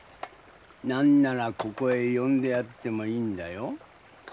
何ならここへ呼んでやってもいいんだよ。